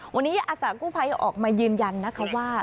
วันนี้อสากุพัยออกมายืนยันนะครับว่า